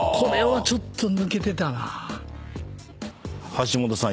橋本さん